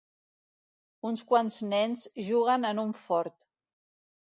Uns quants nens juguen en un fort.